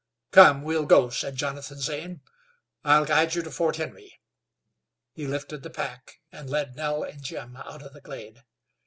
"Come, we'll go," said Jonathan Zane. "I'll guide you to Fort Henry." He lifted the pack, and led Nell and Jim out of the glade.